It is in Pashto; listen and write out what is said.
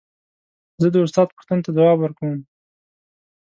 زه د استاد پوښتنو ته ځواب ورکوم.